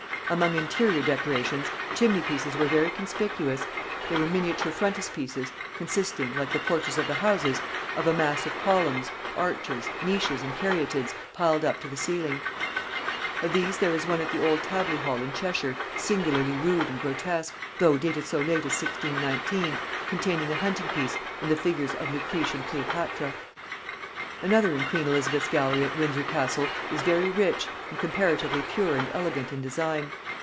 Among interior decorations, chimney pieces were very conspicuous: they were miniature frontispieces, consisting, like the porches of the houses, of a mass of columns, arches, niches and caryatids, piled up to the ceiling. Of these there is one at the old Tabley hall in Cheshire singularly rude and grotesque, though dated so late as 1619, containing a hunting piece and the figures of Lucrece and Cleopatra. Another in queen Elizabeth's gallery at Windsor Castle is very rich, and comparatively pure and elegant in design.